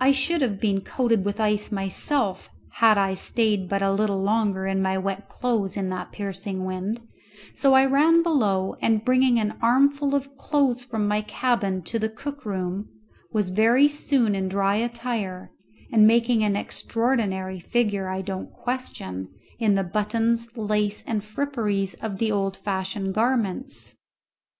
I should have been coated with ice myself had I stayed but a little longer in my wet clothes in that piercing wind, so I ran below, and bringing an armful of clothes from my cabin to the cook room, was very soon in dry attire, and making an extraordinary figure, I don't question, in the buttons, lace, and fripperies of the old fashioned garments.